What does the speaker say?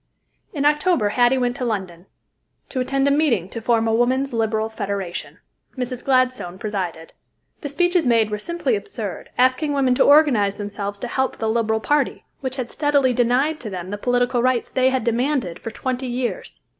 In October Hattie went to London, to attend a meeting to form a Woman's Liberal Federation. Mrs. Gladstone presided. The speeches made were simply absurd, asking women to organize themselves to help the Liberal party, which had steadily denied to them the political rights they had demanded for twenty years.